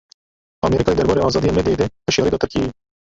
Amerîkayê derbarê azadiya medyayê de hişyarî da Tirkiyeyê.